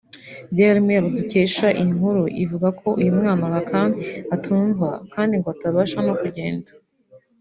Daily Mail dukesha iyi nkuru ivuga ko uyu mwana Lakhan atumva kandi ngo ntabasha no kugenda